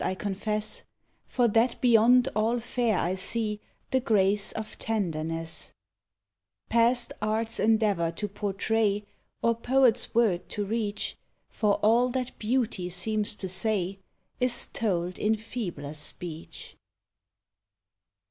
I confess, For that beyond all fair I see The grace of tenderness, Past Art's endeavor to portray Or poet's word to reach; For all that Beauty seems to say Is told in feebler speech.